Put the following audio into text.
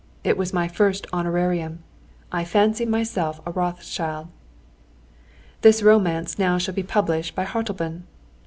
It was my first honorarium. I fancied myself a Rothschild. "This romance now shall be published by Hartleben."